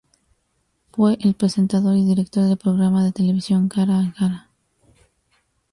Fue el presentador y director del programa de televisión "Cara a cara".